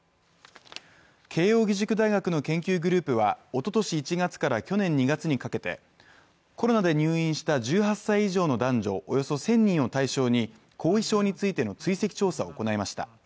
慶応義塾大学の研究グループは、おととし１月から去年２月にかけてコロナで入院した１８歳以上の男女およそ１０００人を対象に後遺症についての追跡調査を行いました。